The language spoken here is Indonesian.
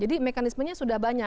jadi mekanismenya sudah banyak